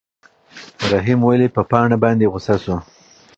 رحیم ولې په پاڼه باندې غوسه شو؟